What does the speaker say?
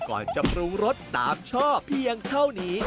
ก่อนจะปรุงรสตามช่อเพียงเท่านี้